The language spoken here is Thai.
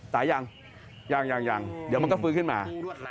แต่ยังยังเดี๋ยวมันก็ฟื้นขึ้นมา